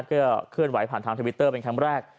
ก็เคลื่อนไหวผ่านทางทวิตเตอร์เป็นคำแรก